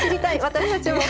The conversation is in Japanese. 私たちも。